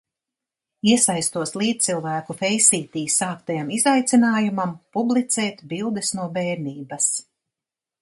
Iesaistos līdzcilvēku feisītī sāktajam izaicinājumam – publicēt bildes no bērnības.